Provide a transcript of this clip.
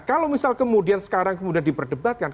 kalau misal kemudian sekarang kemudian diperdebatkan